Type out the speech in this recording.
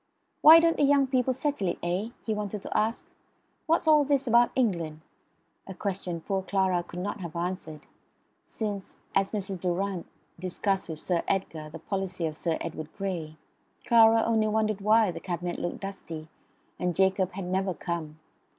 "Why don't the young people settle it, eh?" he wanted to ask. "What's all this about England?" a question poor Clara could not have answered, since, as Mrs. Durrant discussed with Sir Edgar the policy of Sir Edward Grey, Clara only wondered why the cabinet looked dusty, and Jacob had never come.